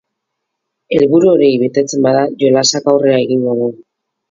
Helburu hori betetzen bada, jolasak aurrera egingo du.